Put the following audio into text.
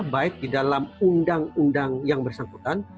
baik di dalam undang undang yang bersangkutan